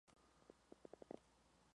Depende de la duración de su mandato.